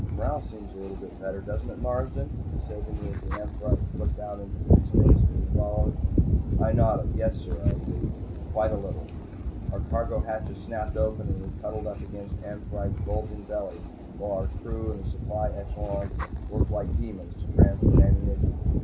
"Morale seems a little better, doesn't it, Marsden?" he said to me as the "Amphitrite" flicked out into threespace and we followed. I nodded. "Yes, sir," I agreed. "Quite a little." Our cargo hatches snapped open and we cuddled up against "Amphitrite's" bulging belly while our crew and the supply echelon worked like demons to transfer ammunition.